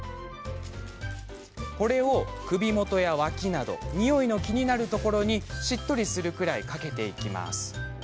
これを首元や脇などニオイの気になるところにしっとりするくらいかけていきます。